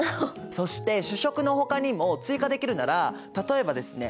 そして主食のほかにも追加できるなら例えばですね